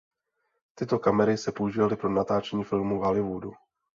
Tyto kamery se používaly pro natáčení filmů v Hollywoodu.